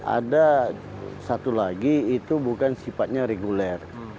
ada satu lagi itu bukan sifatnya reguler